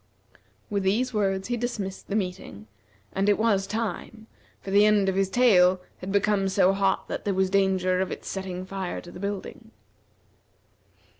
With these words he dismissed the meeting, and it was time, for the end of his tail had become so hot that there was danger of its setting fire to the building.